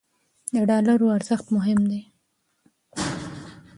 د ډالرو ارزښت مهم دی.